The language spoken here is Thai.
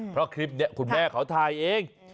เพราะคลิปนี้คุณแม่เขาถ่ายเอง